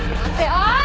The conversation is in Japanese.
おい！